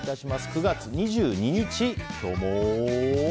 ９月２２日、今日も。